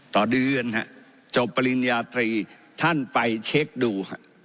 ต่อเดือนฮะจบปริญญาตรีท่านไปเช็คดู